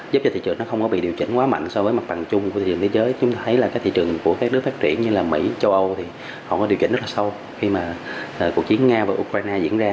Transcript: giúp cho thị trường nó không có bị điều chỉnh quá mạnh so với mặt bằng chung của thị trường thế giới chúng ta thấy là cái thị trường của các nước phát triển như là mỹ châu âu thì họ có điều kiện rất là sâu khi mà cuộc chiến nga và ukraine diễn ra